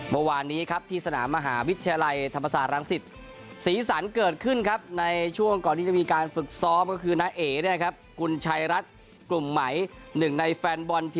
วันวานนี้ครับที่สนามมหาวิทยาลัยธรรมศาสตร์รังสิต